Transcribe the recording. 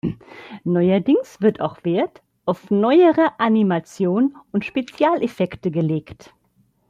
Neuerdings wird auch Wert auf neuere Animation und Spezialeffekte gelegt.